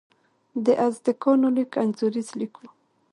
د ازتکانو لیک انځوریز لیک و.